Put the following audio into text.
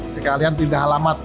sekalian pindah alamat